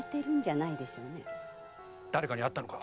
誰かに会ったのか⁉